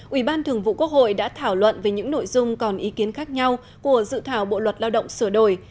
ủy ban thường vụ quốc hội đã thảo luận về những nội dung còn ý kiến khác nhau của dự thảo bộ luật lao động sửa đổi